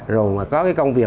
rồi mà có cái công việc